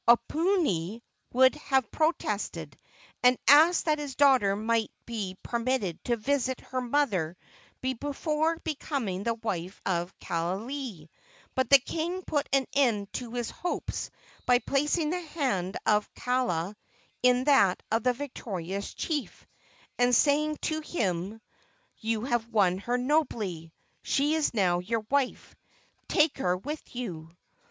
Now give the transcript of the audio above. Oponui would have protested, and asked that his daughter might be permitted to visit her mother before becoming the wife of Kaaialii; but the king put an end to his hopes by placing the hand of Kaala in that of the victorious chief, and saying to him: "You have won her nobly. She is now your wife. Take her with you."